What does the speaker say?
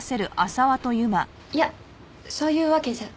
いやそういうわけじゃ。